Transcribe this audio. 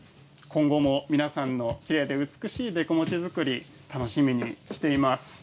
今後も皆さんのきれいで美しいべこもち作り楽しみにしています。